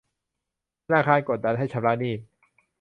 ธนาคารกดดันให้ชำระหนี้